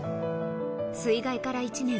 水害から１年。